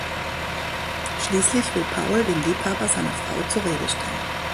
Schließlich will Paul den Liebhaber seiner Frau zur Rede stellen.